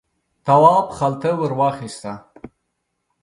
تواب خلته ور واخیسته.